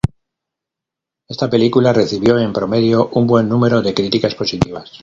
Esta película, recibió en promedio un buen número de críticas positivas.